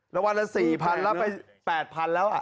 รางวัลละ๔๐๐๐รับไป๘๐๐๐แล้ว